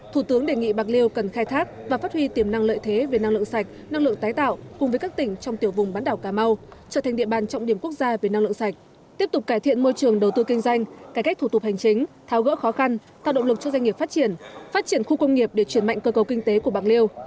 thủ tướng đề nghị bạc liêu cần khai thác và phát huy tiềm năng lợi thế về năng lượng sạch năng lượng tái tạo cùng với các tỉnh trong tiểu vùng bán đảo cà mau trở thành địa bàn trọng điểm quốc gia về năng lượng sạch tiếp tục cải thiện môi trường đầu tư kinh doanh cải cách thủ tục hành chính tháo gỡ khó khăn tạo động lực cho doanh nghiệp phát triển phát triển khu công nghiệp để chuyển mạnh cơ cầu kinh tế của bạc liêu